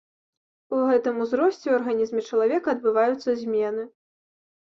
У гэтым узросце ў арганізме чалавека адбываюцца змены.